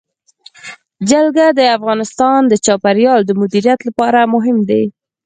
جلګه د افغانستان د چاپیریال د مدیریت لپاره مهم دي.